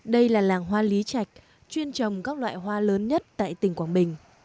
đây là làng hoa lý trạch chuyên trồng các loại hoa lớn nhất tại tỉnh quảng bình